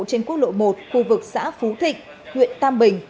trên quốc lộ một khu vực xã phú thịnh huyện tam bình